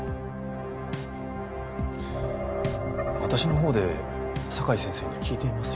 私のほうで酒井先生に聞いてみますよ。